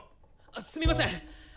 すみません！